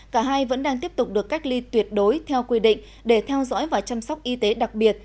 cả hai vẫn đang tiếp tục được cách ly tuyệt đối theo quy định để theo dõi và chăm sóc y tế đặc biệt